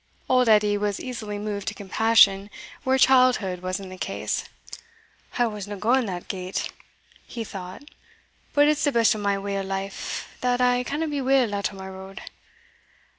Old Edie was easily moved to compassion where childhood was in the case. "I wasna gaun that gate," he thought, "but it's the best o' my way o' life that I canna be weel out o' my road.